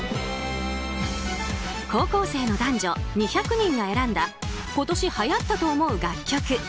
高校生の男女２００人が選んだ今年はやったと思う楽曲。